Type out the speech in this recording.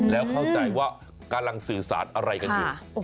แล้วเข้าใจว่ากำลังสื่อสารอะไรกันอยู่